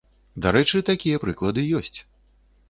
Дарэчы, такія прыклады ёсць.